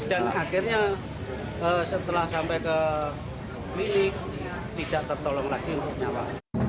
dan akhirnya setelah sampai ke klinik tidak tertolong lagi untuk nyawa